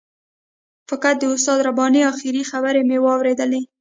فقط د استاد رباني آخري خبرې مې واورېدې.